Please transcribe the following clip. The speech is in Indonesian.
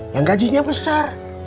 yang gajinya besar